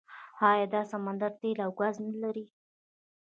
آیا دا سمندر تیل او ګاز نلري؟